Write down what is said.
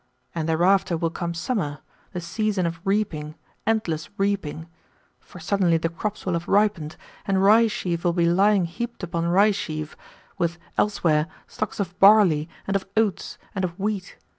And thereafter will come summer, the season of reaping, endless reaping; for suddenly the crops will have ripened, and rye sheaf will be lying heaped upon rye sheaf, with, elsewhere, stocks of barley, and of oats, and of wheat.